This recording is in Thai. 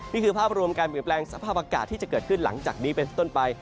นี่คือภาพรวมการเปลี่ยนแปลงสภาพอากาศที่จะเกิดขึ้นหลังจากนี้เป็นต้นไป